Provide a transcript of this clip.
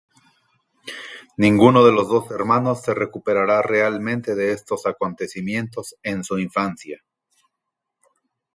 Ninguno de los dos hermanos se recuperará realmente de estos acontecimientos en su infancia.